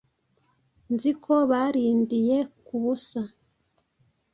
Nzi ko barindiye ku busa,